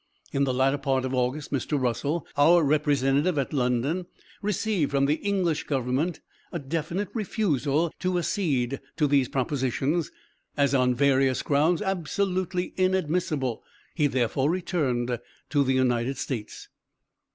In the latter part of August, Mr. Russell, our representative at London, received from the English Government a definite refusal to accede to these propositions, as 'on various grounds absolutely inadmissible,' he therefore returned to the United States.